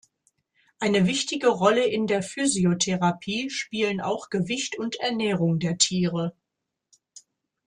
Eine wichtige Rolle in der Physiotherapie spielen auch Gewicht und Ernährung der Tiere.